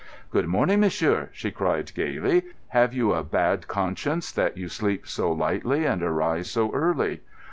"Good morning, monsieur," she cried gaily. "Have you a bad conscience that you sleep so lightly and arise so early?"